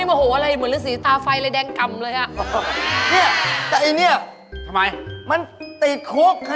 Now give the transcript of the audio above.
มันไม่เป็นหมอเจ้าะเขาเรียกแค